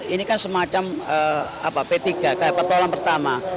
ini kan semacam p tiga kayak persoalan pertama